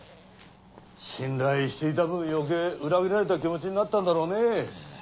信頼していた分余計裏切られた気持ちになったんだろうね。